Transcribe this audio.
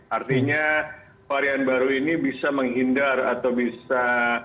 artinya varian baru ini bisa menghindar atau bisa